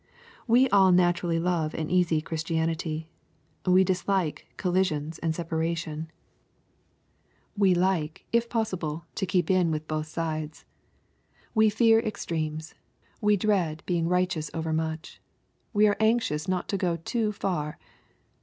We all naturally love an easy Christ ianity. We dislike collisions and separation. We like^ LUKE, CHAP. XI. 25 if possible, to keep in with both sides. We fear extremes. We dread being righteous overmuch. We are anxious not to go too far.